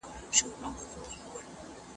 سياسي مشران به خپل مسووليتونه ادا کړي.